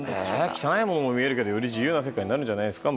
汚いものも見えるけどより自由な世界になるんじゃないですか。